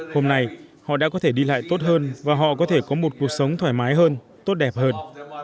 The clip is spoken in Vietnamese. hôm nay họ đã có thể đi lại tốt hơn và họ có thể có một cuộc sống thoải mái hơn tốt đẹp hơn